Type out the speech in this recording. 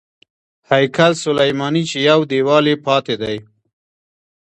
هیکل سلیماني چې یو دیوال یې پاتې دی.